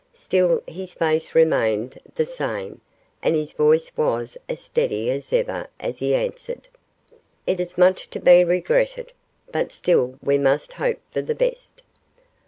Still his face remained the same, and his voice was as steady as ever as he answered 'It is much to be regretted; but still we must hope for the best.